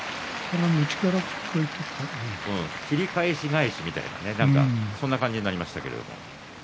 切り返し大事みたいなそんな感じになりましたけど。